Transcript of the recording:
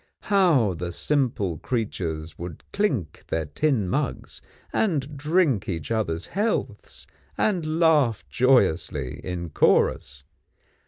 How the simple creatures would clink their tin mugs, and drink each other's healths, and laugh joyously in chorus!